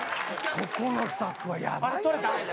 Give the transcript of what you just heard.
ここのスタッフはやばいね。